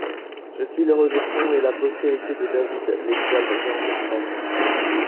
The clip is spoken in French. Je suis le rejeton et la postérité de David, l’étoile brillante du matin.